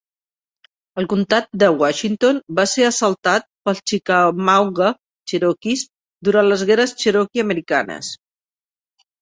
El comtat de Washington va ser assaltat pels chickamauga cherokees durant les guerres cherokee-americanes.